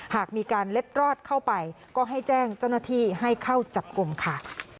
หากมีการเล็ดรอดเข้าไปก็ให้แจ้งเจ้าหน้าที่ให้เข้าจับกลุ่มค่ะ